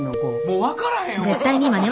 もう分からへんわ！